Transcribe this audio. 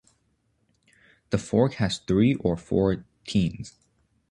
The fork has three or four tines.